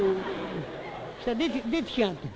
そしたら出てきやがった。